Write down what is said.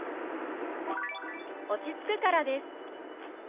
「落ち着くからです」。